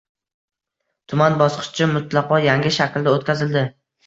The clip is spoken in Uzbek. Tuman bosqichi mutlaqo yangi shaklda o‘tkazildi